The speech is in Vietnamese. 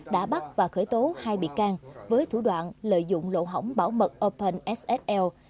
đã bắt và khởi tố hai bị can với thủ đoạn lợi dụng lộ hỏng bảo mật openssl